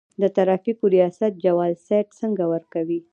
د ترافیکو ریاست جواز سیر څنګه ورکوي؟